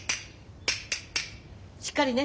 しっかりね。